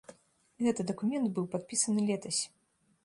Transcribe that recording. Гэты дакумент быў падпісаны летась.